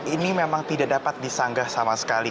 ini memang tidak dapat disanggah sama sekali